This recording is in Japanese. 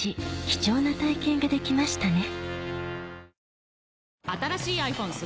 貴重な体験ができましたね